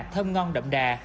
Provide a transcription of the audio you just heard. thơm ngon đậm đà